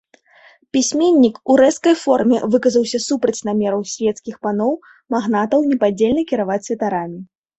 Пісьменнік у рэзкай форме выказаўся супраць намераў свецкіх паноў, магнатаў непадзельна кіраваць святарамі.